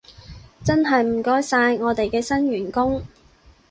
真係唔該晒，我哋嘅新員工